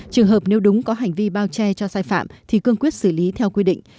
trường hợp nếu đúng có hành vi bao che cho sai phạm thì cương quyết xử lý theo quy định